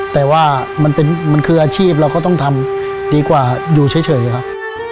แต่ว่ามันคืออาชีพเราก็ต้องทำดีกว่าอยู่เฉยครับ